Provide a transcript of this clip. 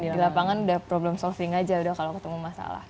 di lapangan udah problem solving aja udah kalau ketemu masalah